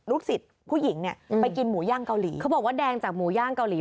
สิทธิ์ผู้หญิงเนี่ยไปกินหมูย่างเกาหลีเขาบอกว่าแดงจากหมูย่างเกาหลี